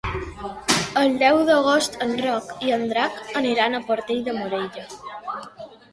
El deu d'agost en Roc i en Drac aniran a Portell de Morella.